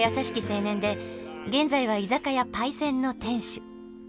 青年で現在は居酒屋「パイセン」の店主。